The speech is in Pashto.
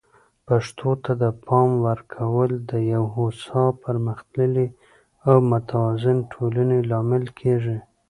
پښتو ته د پام ورکول د یو هوسا، پرمختللي او متوازن ټولنې لامل کیږي.